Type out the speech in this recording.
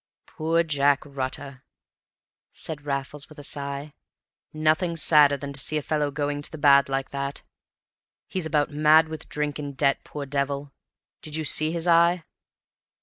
"Poor Jack Rutter!" said Raffles, with a sigh. "Nothing's sadder than to see a fellow going to the bad like that. He's about mad with drink and debt, poor devil! Did you see his eye?